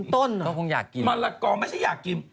ก็คงอยากกินมะละกอไม่ใช่อยากกิน